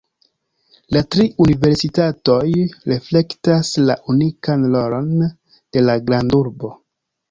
La tri universitatoj reflektas la unikan rolon de la grandurbo.